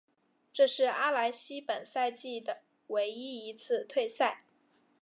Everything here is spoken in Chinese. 这是阿莱西本赛季的唯一一次退赛。